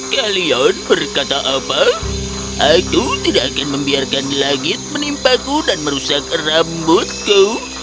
kalian berkata apa aku tidak akan membiarkan langit menimpaku dan merusak rambutku